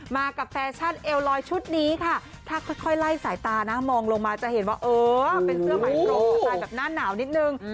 มากับแฟชั่นเอลลอยชุดนี้ค่ะถ้าค่อยไล่สายตานะมองลงมาจะเห็นว่าเออเป็นเสื้อใหม่โปร่งสไตล์แบบหน้าหนาวนิดนึง